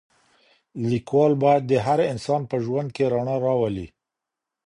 ليکوال بايد د هر انسان په ژوند کي رڼا راولي.